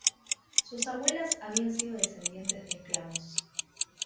Sus abuelas habían sido descendientes de esclavos.